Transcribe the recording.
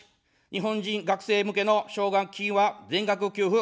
日本人学生向けの奨学金は全額給付。